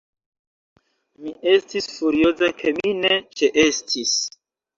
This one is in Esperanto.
Mi estis furioza, ke mi ne ĉeestis.